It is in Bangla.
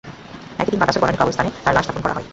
একই দিন বাদ আসর বনানীর কবরস্থানে তাঁর লাশ দাফন করা হয়।